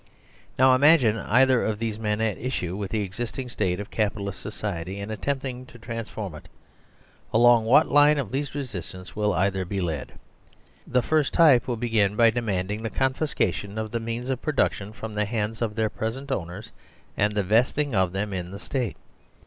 Now imagine either of these men at issue with the existing state of Capitalist society and attempting to transform it. Along what line of least resistance will either be led ? (a) The first type will begin bydemanding the con fiscation of the means of production from the hands of their present owners, and the vesting of them in the State.